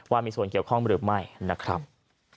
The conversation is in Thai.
ว่ามีส่วนเกี่ยวข้องหรือไม่นะครับ